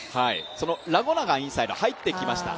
そのラ・ゴナがインサイドに入ってきました。